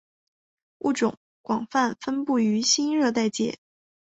物种广泛分布于新热带界。